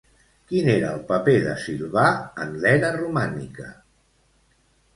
Quin era el paper de Silvà en l'era romànica?